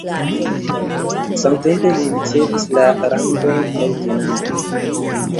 Samtempe li ricevis la rangon leŭtenanto.